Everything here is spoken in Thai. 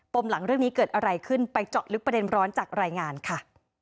มหลังเรื่องนี้เกิดอะไรขึ้นไปเจาะลึกประเด็นร้อนจากรายงานค่ะ